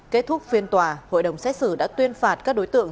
kết thúc phiên tòa hội đồng xét xử đã tuyên phạt các đối tượng